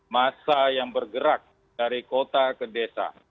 masa yang bergerak dari kota ke desa